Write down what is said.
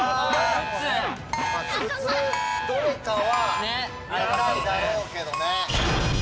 靴どれかは高いだろうけどね。